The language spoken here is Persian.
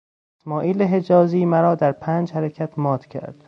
اسماعیل حجازی مرا در پنج حرکت مات کرد.